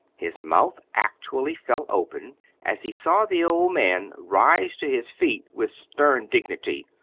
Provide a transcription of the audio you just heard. His mouth actually fell open as he saw the old man rise to his feet with stern dignity.